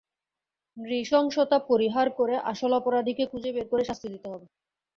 নৃশংসতা পরিহার করে আসল অপরাধীকে খুঁজে বের করে শাস্তি দিতে হবে।